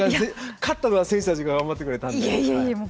勝ったのは選手たちが頑張ってくれたんで。